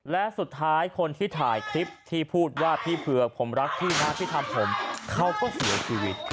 และสุดท้ายคนที่ถ่ายคลิปที่พูดว่าพี่เผือกผมรักพี่นะที่ทำผมเขาก็เสียชีวิต